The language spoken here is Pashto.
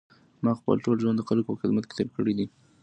ما خپل ټول ژوند د خلکو په خدمت کې تېر کړی.